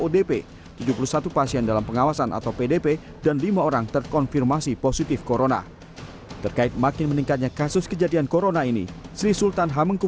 dan juga yang beritahu yang tidak beritahu